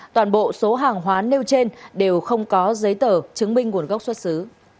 toàn bộ số hàng hóa nêu trên đều không có giấy tờ chứng minh nguồn gốc xuất xứ